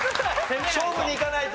勝負にいかないと。